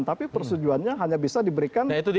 tapi persetujuannya hanya bisa diberikan seluruh peran